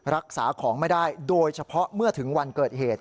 รักษาของไม่ได้โดยเฉพาะเมื่อถึงวันเกิดเหตุ